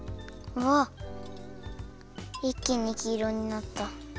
いっきにきいろになった。